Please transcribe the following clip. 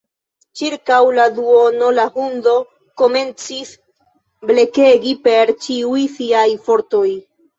Ĉirkaŭ la duono, la hundo komencis blekegi per ĉiuj siaj fortoj.